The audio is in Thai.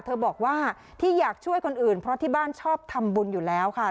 บอกว่าที่อยากช่วยคนอื่นเพราะที่บ้านชอบทำบุญอยู่แล้วค่ะ